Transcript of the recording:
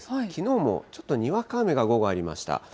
きのうもちょっと、にわか雨が午後ありました。